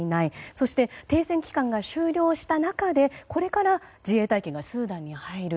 そして、停戦期間が終了した中でこれから自衛隊機がスーダンに入る。